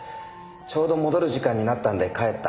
ちょうど戻る時間になったんで帰った。